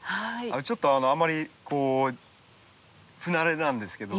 ちょっとあんまり不慣れなんですけど。